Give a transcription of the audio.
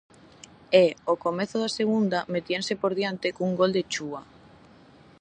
E ao comezo da segunda metíanse por diante cun gol de chúa.